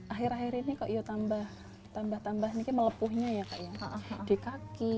akhir akhir ini kok ya tambah tambah mungkin melepuhnya ya kak ya di kaki